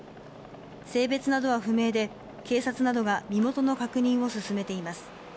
性別などは不明で、警察などが身元の確認を進めています。